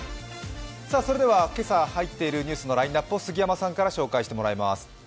今朝入っているニュースのラインナップを杉山さんから紹介していただきます。